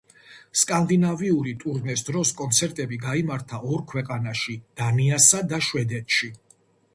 სკანდინავიური ტურნეს დროს კონცერტები გაიმართა ორ ქვეყანაში დანიასა და შვედეთში.